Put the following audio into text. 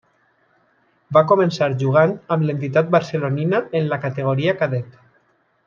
Va començar jugant amb l'entitat barcelonina en la categoria Cadet.